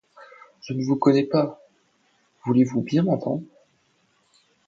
Je ne vous connais pas. — Voulez-vous bien m’entendre ?